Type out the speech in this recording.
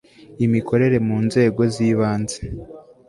imikorere mu nzego z ibanze